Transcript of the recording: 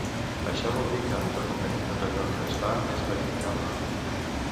Això vol dir que en tot moment tot allò que es fa és verificable.